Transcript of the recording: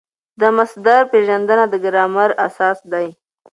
د مصدر پېژندنه د ګرامر اساس دئ.